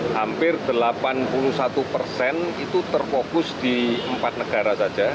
hampir delapan puluh satu persen itu terfokus di empat negara saja